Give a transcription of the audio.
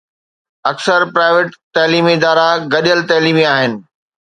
اڪثر پرائيويٽ تعليمي ادارا گڏيل تعليمي آهن.